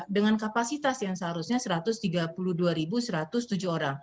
dengan kapasitas yang seharusnya satu ratus tiga puluh dua satu ratus tujuh orang